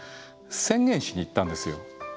宣言しに行ったんですよ。